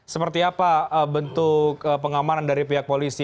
seperti apa bentuk pengamanan dari pihak polisi